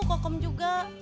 kok kamu juga